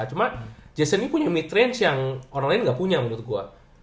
cuma jason ini punya mid range yang orang lain gak punya menurut gua